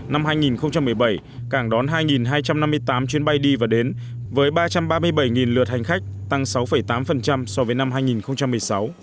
năm hai nghìn một mươi bảy cảng đón hai hai trăm năm mươi tám chuyến bay đi và đến với ba trăm ba mươi bảy lượt hành khách tăng sáu tám so với năm hai nghìn một mươi sáu